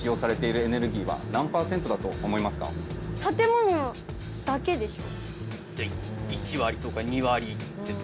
建物だけでしょ？